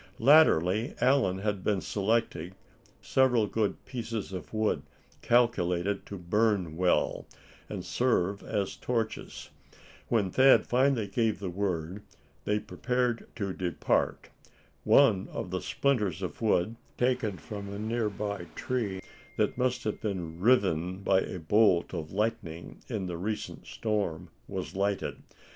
Latterly Allan had been selecting several good pieces of wood calculated to burn well, and serve as torches. When Thad finally gave the word, they prepared to depart. One of the splinters of wood, taken from a near by tree that must have been riven by a bolt of lightning in the recent storm, was lighted.